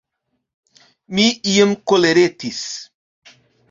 Mi iom koleretis!